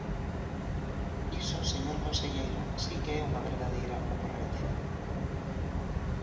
Iso, señor conselleiro, si que é unha verdadeira ocorrencia.